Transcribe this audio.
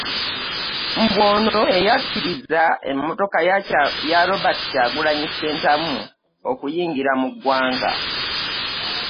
Mbu ono eyakkiriza emmotoka ya Robert Kyagulanyi Ssentamu okuyingira mu ggwanga.